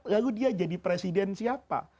lalu dia jadi presiden siapa